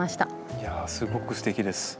いやあすごくすてきです。